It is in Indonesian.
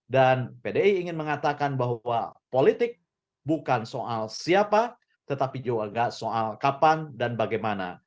dan pdi ingin mengatakan bahwa politik bukan soal siapa tetapi juga tidak soal kapan dan bagaimana